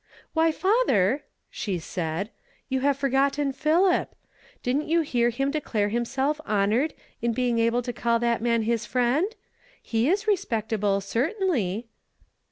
" Why, father," she said, " you have forgotten Philip. Didn't you hear him declare himself hon ored in being able to call that man his friend? He is respectable, certainly."